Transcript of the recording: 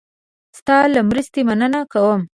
ستا له مرستې مننه کوم.